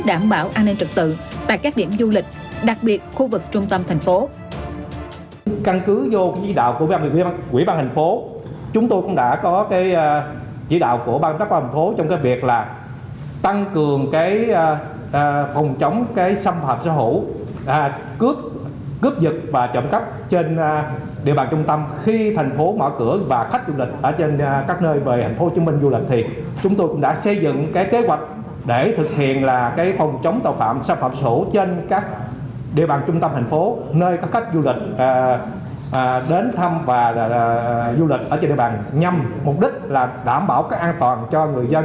đảm bảo an ninh trật tự tại các điểm du lịch đặc biệt khu vực trung tâm thành phố